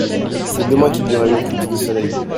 C'est demain qu'il y aura une éclipse de soleil.